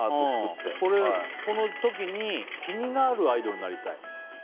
この時に気になるアイドルになりたい？